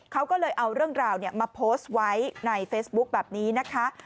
เขาก็เลยเอาเรื่องราวมาโพสต์ไว้ในเฟซบุ๊คแบบนี้นะคะ